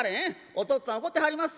お父っつぁん怒ってはりまっせ」。